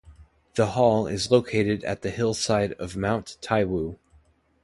The hall is located at the hillside of Mount Taiwu.